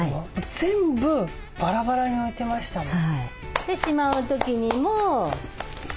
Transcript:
全部バラバラに置いてましたもん。